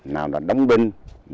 nào là đóng binh